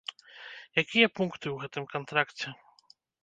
Якія пункты ў гэтым кантракце?